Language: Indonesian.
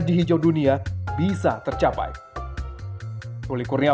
dan indonesia harus dapat menyertai kita